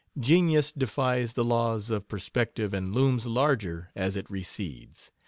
Genius defies the laws of perspective and looms larger as it recedes.